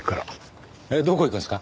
えっどこ行くんですか？